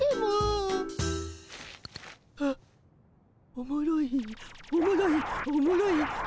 おもろいおもろいおもろいおもろい。